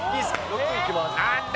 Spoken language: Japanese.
６いきます。